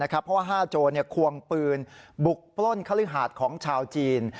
เพราะว่า๕โจรควงปืนบุกปล้นคฤหาดของชาวจีน